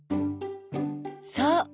そう。